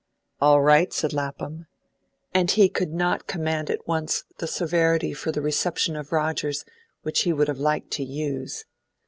"All right," said Lapham, and he could not command at once the severity for the reception of Rogers which he would have liked to use.